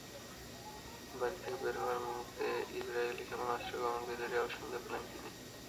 বাড়ি থেকে বের হওয়ার মুহূর্তে ইসরায়েলি ক্ষেপণাস্ত্রের গগনবিদারী আওয়াজ শুনতে পেলেন তিনি।